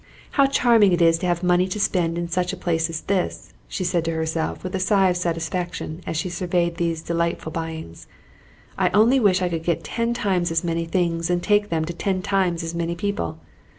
"How charming it is to have money to spend in such a place as this!" she said to herself with a sigh of satisfaction as she surveyed these delightful buyings. "I only wish I could get ten times as many things and take them to ten times as many people.